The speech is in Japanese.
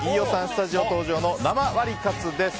スタジオ登場の生ワリカツです。